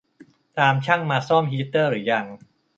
ตามช่างมาซ่อมฮีตเตอร์รึยัง